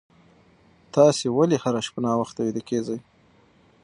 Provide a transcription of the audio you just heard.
تاسي ولې هره شپه ناوخته ویده کېږئ؟